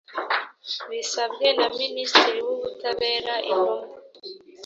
bisabwe na minisitiri w ubutabera intumwa